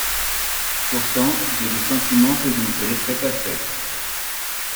Pourtant j’ai le sentiment que je ne te laisserai pas seul.